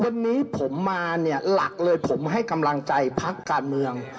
วันนี้ผมมาเนี่ยหลักเลยผมให้กำลังใจพักการเมือง